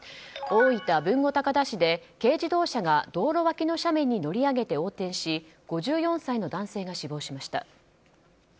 大分・豊後高田市で軽自動車が道路脇の斜面に乗り上げて横転し、５４歳の男性が死亡しました。